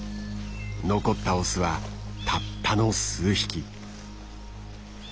残ったオスはたったの数匹。